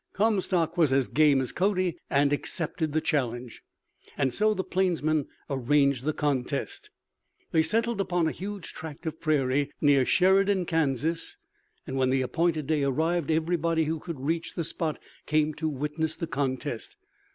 Comstock was as game as Cody, and accepted the challenge. And so the plainsmen arranged the contest. They settled upon a huge tract of prairie near Sheridan, Kansas, and when the appointed day arrived everybody who could reach the spot came to witness the contest.